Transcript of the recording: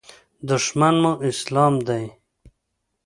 دښمن مو اسلام دی.